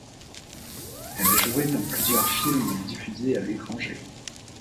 Elle a joué dans plusieurs films diffusés à l'étranger.